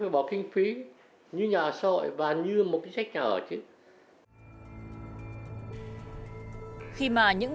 khi mà những bản tin của nhà chung cư mới đẹp tiểu khu đẹp đồng bộ diem chứ không phải comment ông nguyễn l architecture